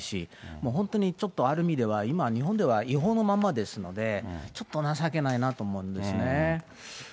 もう本当にちょっとある意味では、今、日本では違法のまんまですので、ちょっと情けないなと思いますね。